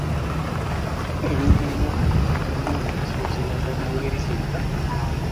Ebintu eby’omugaso tulina okubisoosowaza mu ngeri zonna.